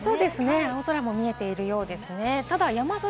青空も見えているようですね。